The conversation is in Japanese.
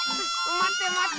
まてまて！